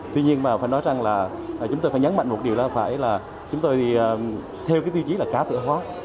tuy nhiên mà phải nói rằng là chúng tôi phải nhấn mạnh một điều là phải là chúng tôi theo cái tiêu chí là cá tự hóa